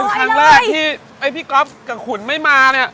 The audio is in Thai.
ครั้งแรกที่ไอ้พี่ก๊อฟกับขุนไม่มาเนี่ย